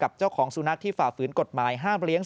เจ้าของสุนัขที่ฝ่าฝืนกฎหมายห้ามเลี้ยง